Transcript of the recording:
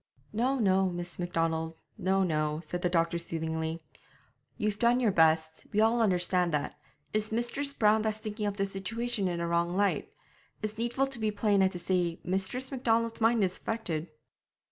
'No, no, Miss Macdonald no, no,' said the doctor soothingly. 'You've done your best, we all understand that; it's Mistress Brown that's thinking of the situation in a wrong light; it's needful to be plain and to say that Mistress Macdonald's mind is affected.'